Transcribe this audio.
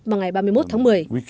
vào ngày ba mươi một tháng một mươi